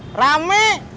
iya purr rame